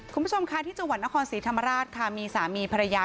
คุณผู้ชมค่ะที่จังหวัดนครศรีธรรมราชค่ะมีสามีภรรยา